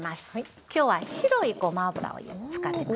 今日は白いごま油を使ってますよね。